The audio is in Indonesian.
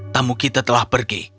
tamu kita telah pergi